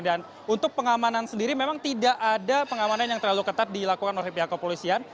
dan untuk pengamanan sendiri memang tidak ada pengamanan yang terlalu ketat dilakukan oleh pihak kepolisian